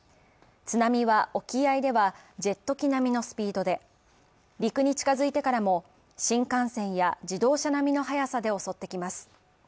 津波は沖合ではジェット機並みのスピードで陸に近づいてからも、新幹線や自動車並みの速さで襲ってきます